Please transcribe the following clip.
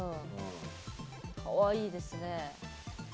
かわいいですね。